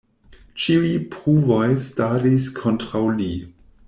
Ĉiuj pruvoj staris kontraŭ li.